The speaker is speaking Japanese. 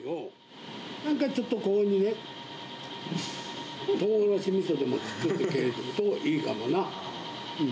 なんかちょっとここに、とうがらしみそでもつけとくといいかもな。